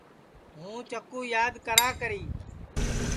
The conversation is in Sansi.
ہُوں چکُو یاد کراکری